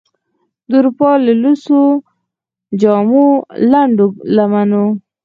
د اروپا له لوڅو جامو، لنډو لمنو،